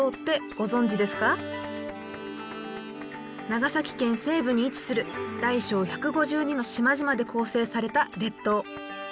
長崎県西部に位置する大小１５２の島々で構成された列島。